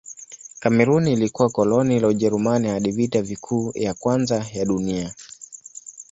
Kamerun ilikuwa koloni la Ujerumani hadi Vita Kuu ya Kwanza ya Dunia.